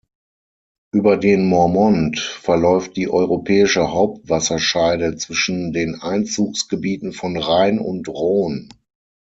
Über den Mormont verläuft die Europäische Hauptwasserscheide zwischen den Einzugsgebieten von Rhein und Rhone.